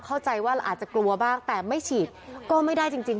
เข้าใจว่าเราอาจจะกลัวบ้างแต่ไม่ฉีดก็ไม่ได้จริง